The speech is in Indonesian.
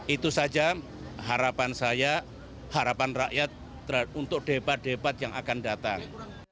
itu saja harapan saya harapan rakyat untuk debat debat yang akan datang